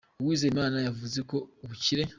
Uwizeyimana yavuze ko ‘‘Ubukire.